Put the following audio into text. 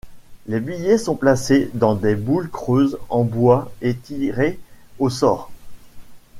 Les billets sont placés dans des boules creuses en bois et tirés au sort.